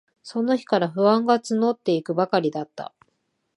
その日から、不安がつのっていくばかりだった。